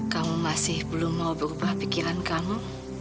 kamu masih belum mau berubah pikiran kamu